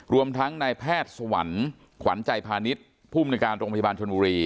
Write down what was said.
รวมทั้งนายแพทย์สวรรค์ขวัญใจพาณิชย์ผู้มนุยการโรงพยาบาลชนบุรี